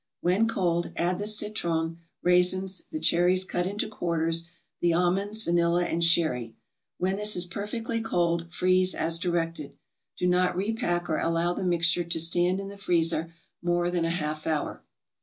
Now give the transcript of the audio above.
When cold, add the citron, raisins, the cherries cut into quarters, the almonds, vanilla and sherry. When this is perfectly cold, freeze as directed. Do not repack or allow the mixture to stand in the freezer more than a half hour.